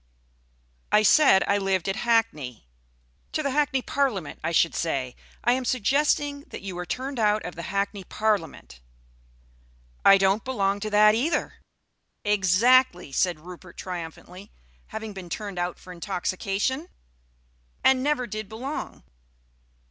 "I said I lived at Hackney." "To the Hackney Parliament, I should say. I am suggesting that you were turned out of the Hackney Parliament " "I don't belong to that either." "Exactly!" said Rupert triumphantly. "Having been turned out for intoxication?" "And never did belong."